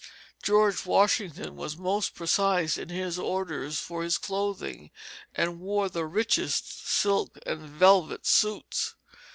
George Washington was most precise in his orders for his clothing, and wore the richest silk and velvet suits.